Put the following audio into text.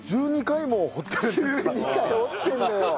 １２回掘ってんのよ。